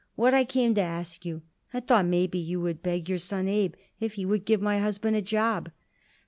What I came to ask you I thought maybe you would beg your son Abe if he would give my husband a job."